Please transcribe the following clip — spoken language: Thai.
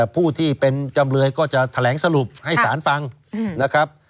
ผู้ที่เป็นจำเลยก็จะแถลงสรุปให้สารฟังนะครับ